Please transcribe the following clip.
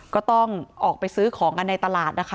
ก็ต้องออกไปซื้อของกันในตลาดนะคะ